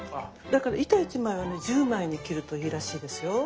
だから板１枚をね１０枚に切るといいらしいですよ。